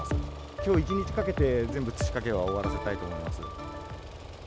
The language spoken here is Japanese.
きょう一日かけて全部土かけは終わらせたいと思います。